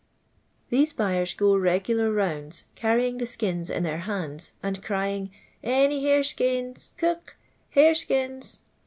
Theso buyer* j:" ri'gtilar rounds, carrying the skins in their h.inds, and crying, Any hare skins, cook i Il.ireskins."